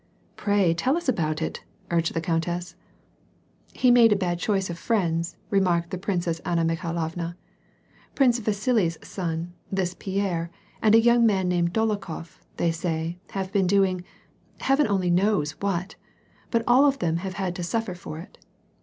" Pray, tell us about it," urged the countess. 42 WAR AND PEACE. "He made a bad choice of friends," remarked the Princess Anna Mikhailovna. "Prince Vasili's son, this Pierre, and a young man named Dolokhof, they say, have been doing — heaven only knows what. But all of them have had to suffer for it.